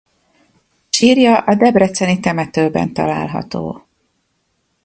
Sírja a debreceni temetőben található.